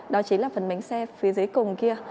đó chính là phần mánh xe phía dưới cùng kia